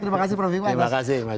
terima kasih pak tito